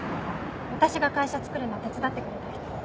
私が会社つくるの手伝ってくれた人。